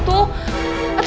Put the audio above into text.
aku sudah nangis